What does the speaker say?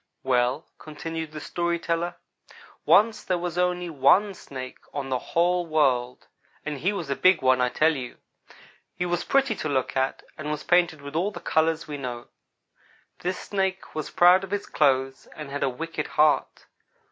"Well," continued the story teller, "once there was only one Snake on the whole world, and he was a big one, I tell you. He was pretty to look at, and was painted with all the colors we know. This snake was proud of his clothes and had a wicked heart.